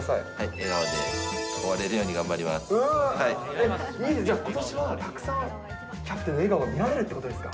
笑顔で終われるように頑張りじゃあ、ことしはたくさんキャプテンの笑顔を見られるということですか。